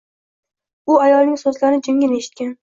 U ayolning soʻzlarini jimgina eshitgan.